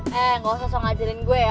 tidak usah mengajarkan saya